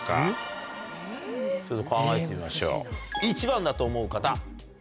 １番だと思う方。